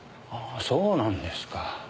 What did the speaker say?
ああそうなんですか。